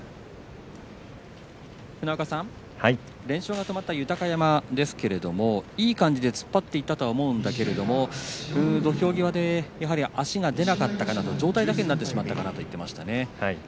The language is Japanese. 連勝が止まった豊山ですけれどいい感じで突っ張っていたんだけれども土俵際で足が出なかったかなと上体だけになってしまったかなと言っていました。